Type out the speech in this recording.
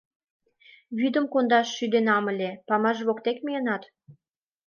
Вӱдым кондаш шӱденам ыле, памаш воктек миенат?